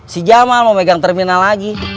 si jamal mau pegang terminal lagi